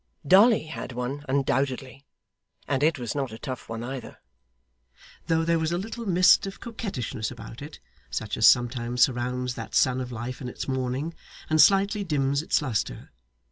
Dolly had one undoubtedly, and it was not a tough one either, though there was a little mist of coquettishness about it, such as sometimes surrounds that sun of life in its morning, and slightly dims its lustre.